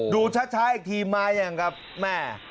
ดูชัดชายทีมายังแบบแม่